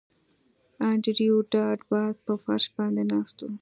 انډریو ډاټ باس په فرش باندې ناست و